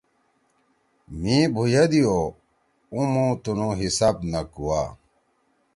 مھی بُھویَدی عُمُو تنُو حساب نہ کُوا